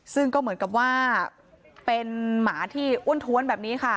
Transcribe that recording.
ซึ่งก็เหมือนกับว่าเป็นหมาที่อ้วนท้วนแบบนี้ค่ะ